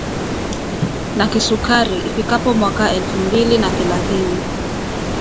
na kisukari ifikapo mwaka elfu mbili na thelathini